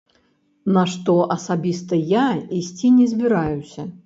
На што асабіста я ісці не збіраюся.